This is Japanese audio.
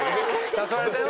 誘われたよ。